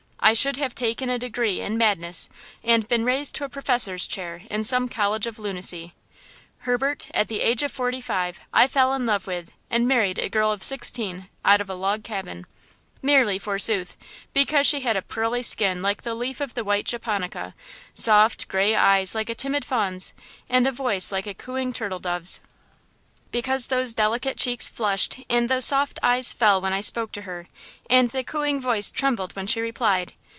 I should have taken a degree in madness and been raised to a professor's chair in some college of lunacy! Herbert, at the age of forty five I fell in love with and married a girl of sixteen out of a log cabin! merely, forsooth, because she had a pearly skin like the leaf of the white japonica, soft gray eyes like a timid fawn's and a voice like a cooing turtle dove's! because those delicate cheeks flushed and those soft eyes fell when I spoke to her, and the cooing voice trembled when she replied!